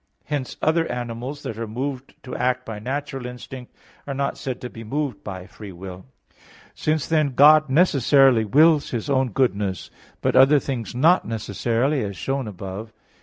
Hence other animals, that are moved to act by natural instinct, are not said to be moved by free will. Since then God necessarily wills His own goodness, but other things not necessarily, as shown above (A.